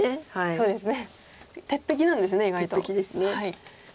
そうですね。